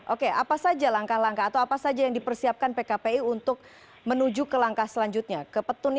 oke apa saja langkah langkah atau apa saja yang dipersiapkan pkpi untuk menuju ke langkah selanjutnya ke petun ini